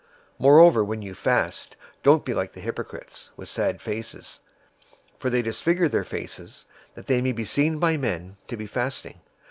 006:016 "Moreover when you fast, don't be like the hypocrites, with sad faces. For they disfigure their faces, that they may be seen by men to be fasting.